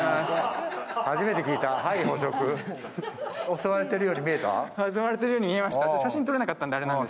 襲われてるように見えました。